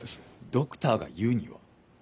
「ドクターが言うには」？